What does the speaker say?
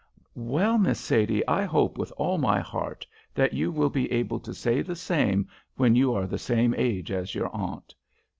"Well, Miss Sadie, I hope with all my heart that you will be able to say the same when you are the same age as your Aunt.